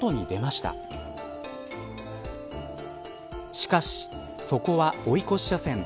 しかし、そこは追い越し車線。